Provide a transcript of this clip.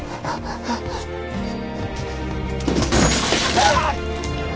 あっ！